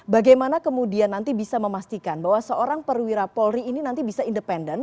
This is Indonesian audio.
bagaimana kemudian nanti bisa memastikan bahwa seorang perwira polri ini nanti bisa independen